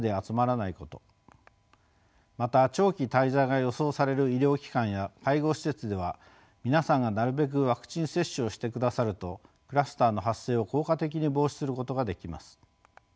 また長期滞在が予想される医療機関や介護施設では皆さんがなるべくワクチン接種をしてくださるとクラスターの発生を効果的に防止することができます。